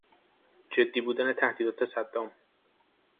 جدی بودن تهدیدات صدام